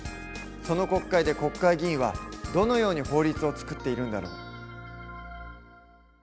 その国会で国会議員はどのように法律を作っているんだろう？